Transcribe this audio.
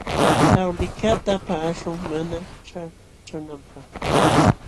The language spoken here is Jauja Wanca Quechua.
Tawlikaqta paqaśhun mana ćhaqćhananpaq.